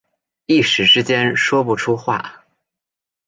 一时之间说不出话